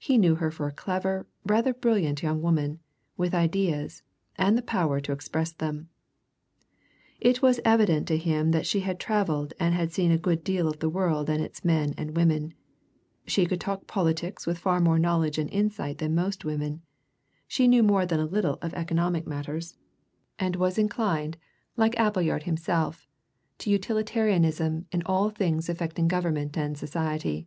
He knew her for a clever, rather brilliant young woman, with ideas, and the power to express them. It was evident to him that she had travelled and had seen a good deal of the world and its men and women; she could talk politics with far more knowledge and insight than most women; she knew more than a little of economic matters, and was inclined, like Appleyard himself, to utilitarianism in all things affecting government and society.